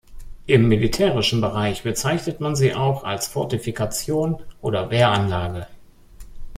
Im militärischen Bereich bezeichnet man sie auch als "Fortifikation" oder "Wehranlage".